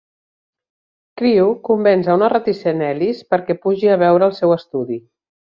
Crewe convenç a una reticent Alice perquè pugi a veure el seu estudi.